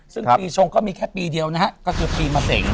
ซึ่งปีชงก็มีแค่ปีเดียวนะฮะก็คือปีมะเสง